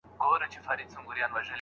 کوي؟